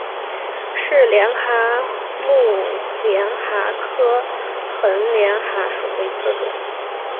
是帘蛤目帘蛤科横帘蛤属的一种。